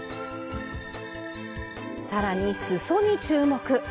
更にすそに注目！